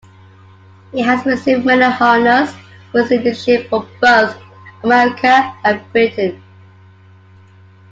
He has received many honours for his leadership from both America and Britain.